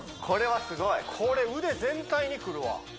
これはすごいこれ腕全体にくるわ